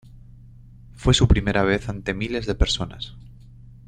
Fue su primera vez ante miles de personas.